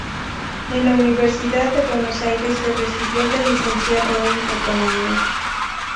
En la Universidad de Buenos Aires se recibió de licenciado en Economía.